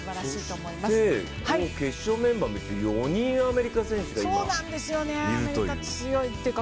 決勝メンバーを見て４人アメリカ選手がいるという。